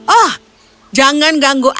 oh jangan ganggu aku